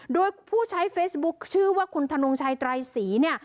โดยผู้ใช้เฟซบุ๊คชื่อว่าคุณธนงชัยไตรศรีเนี่ย